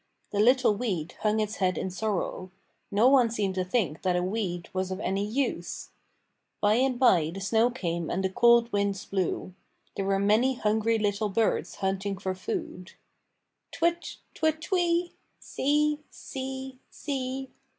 The little weed hung its head in sorrow. No one seemed to think that a weed was of any use. By and by the snow came and the cold winds blew. There were many hungry little birds hunting for food. "Twit! Twit Twee! See! See! See!"